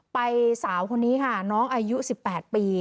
สาวคนนี้ค่ะน้องอายุ๑๘ปี